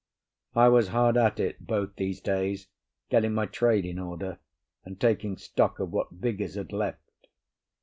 I was hard at it both these days getting my trade in order and taking stock of what Vigours had left.